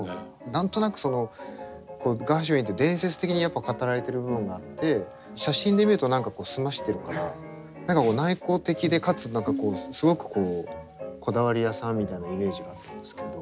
何となくガーシュウィンって伝説的にやっぱ語られてる部分があって写真で見ると何か澄ましてるから内向的でかつ何かすごくこだわり屋さんみたいなイメージがあったんですけど。